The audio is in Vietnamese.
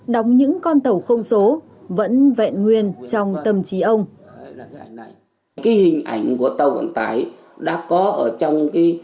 đóng những con tàu không số vẫn vẹn nguyên trong tâm trí ông